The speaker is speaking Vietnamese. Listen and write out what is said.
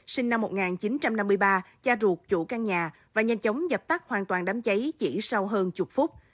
sinh năm một nghìn chín trăm năm mươi ba cha ruột chủ căn nhà và nhanh chóng dập tắt hoàn toàn đám cháy chỉ sau hơn chục phút